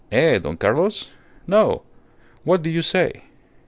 "Eh, Don Carlos? No! What do you say?